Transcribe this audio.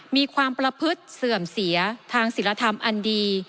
มีความประพฤติเสื่อมเสียทางศิลธรรมอันดี